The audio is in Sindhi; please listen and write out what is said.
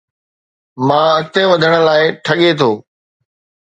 مان اڳتي وڌڻ لاءِ ٺڳي ٿو